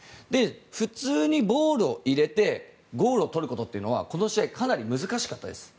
普通にボールを入れてゴールを取ることはかなり難しかったです。